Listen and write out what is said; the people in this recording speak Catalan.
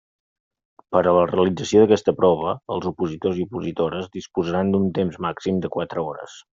Per a la realització d'aquesta prova, els opositors i opositores disposaran d'un temps màxim de quatre hores.